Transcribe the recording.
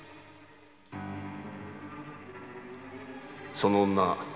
その女